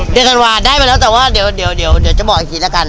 เดือร์ธันวาฬได้มาแล้วแต่ว่าเดีอร์เตรียมจะบอกอีกทีละก่อน